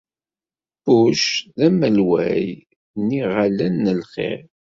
Bush d amalway n yiɣallen n lxir.